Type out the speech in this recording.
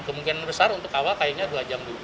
kemungkinan besar untuk awal kayaknya dua jam dulu